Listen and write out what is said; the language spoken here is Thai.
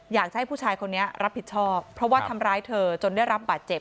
อยากจะให้ผู้ชายคนนี้รับผิดชอบเพราะว่าทำร้ายเธอจนได้รับบาดเจ็บ